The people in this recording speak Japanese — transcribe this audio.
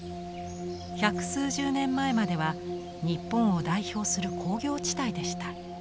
百数十年前までは日本を代表する工業地帯でした。